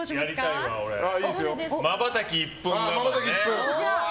まばたき１分我慢。